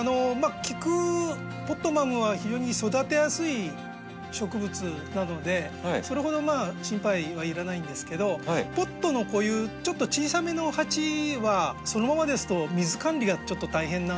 菊ポットマムは非常に育てやすい植物なのでそれほど心配はいらないんですけどポットのこういうちょっと小さめの鉢はそのままですと水管理がちょっと大変なので。